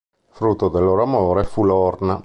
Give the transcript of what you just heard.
Frutto del loro amore fu Lorna.